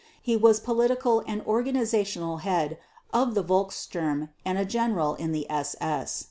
He was political and organizational head of the Volkssturm and a general in the SS.